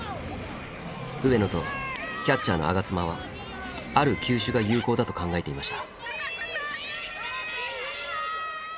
上野とキャッチャーの我妻はある球種が有効だと考えていました。